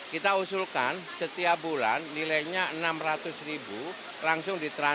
kita usulkan setiap bulan nilainya rp enam ratus ribu langsung ditrans